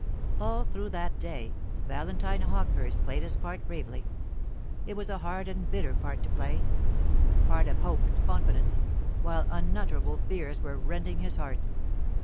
All through that day Valentine Hawkehurst played his part bravely: it was a hard and bitter part to play the part of hope and confidence while unutterable fears were rending his heart.